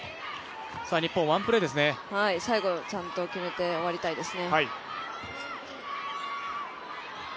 最後、ちゃんと決めて終わりたいですね。